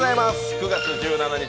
９月１７日